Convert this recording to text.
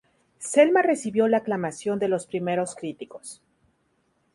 Selma recibió la aclamación de los primeros críticos.